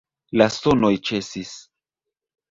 La sonoj ĉesis.